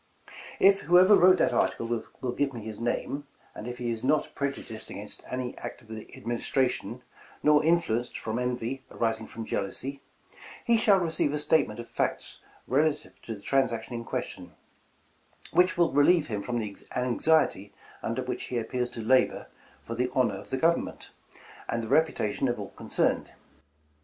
"' If whoever wrote that article will give me his name, and if he is not prejudiced against any act of the Ad ministration, nor influenced from envy arising from jealousy, he shall receive a statement of facts relative to the transaction in question, which will relieve him from the anxiety under which he appears to labor for the honor of the Government, and the reputation of all concerned.